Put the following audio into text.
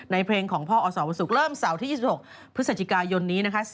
เพลงของพ่ออสวันศุกร์เริ่มเสาร์ที่๒๖พฤศจิกายนนี้นะคะ